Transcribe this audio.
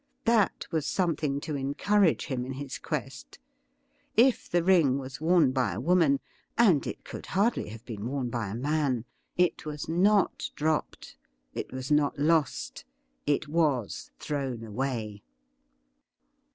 That was something to encourage him in his quest. If the ring was worn by a woman — and it could hardly have been worn by a man — it was not dropped, it was not lost : it was thrown away.